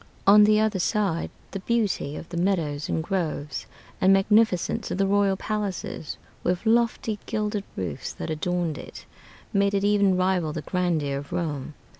On the other side, the beauty of the meadows and groves, and magnificence of the royal palaces, with lofty, gilded roofs that adorned it, made it even rival the grandeur of Rome.